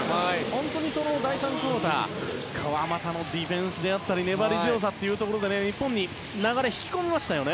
本当に第３クオーター川真田のディフェンスであったり粘り強さというところで日本に流れを引き込みましたよね。